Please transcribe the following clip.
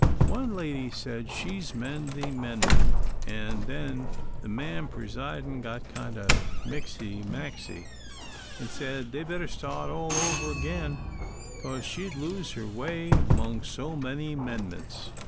One lady said she's mend the mendment, an' then the mam pressiding got kind o' mixy maxy, an' said they'd better start all over agin, 'cause she'd lose her way 'mong so many mendments.